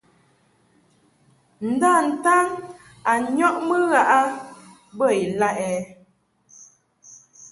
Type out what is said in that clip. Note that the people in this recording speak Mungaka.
Nda-ntan a nyɔʼmɨ ghaʼ a bə ilaʼ ɛ ?